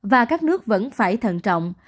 và các nước vẫn phải thận trọng